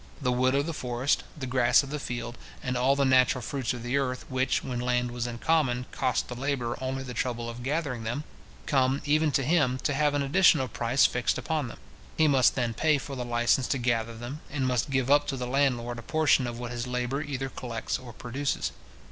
The wood of the forest, the grass of the field, and all the natural fruits of the earth, which, when land was in common, cost the labourer only the trouble of gathering them, come, even to him, to have an additional price fixed upon them. He must then pay for the licence to gather them, and must give up to the landlord a portion of what his labour either collects or produces.